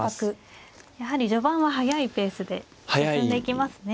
やはり序盤は速いペースで進んでいきますね。